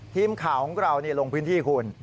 ทีมข่าวของเราลงพื้นที่คุณ